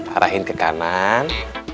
arahin ke kanan